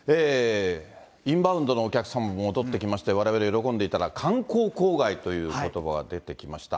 インバウンドのお客さんも戻ってきまして、われわれ喜んでいたら、観光公害ということばが出てきました。